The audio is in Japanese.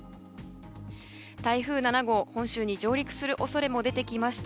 台風７号、本州に上陸する恐れも出てきました。